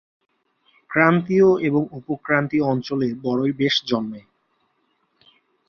ক্রান্তীয় এবং উপক্রান্তীয় অঞ্চলে বরই বেশ জন্মে।